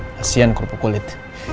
kasian kerupuk kulit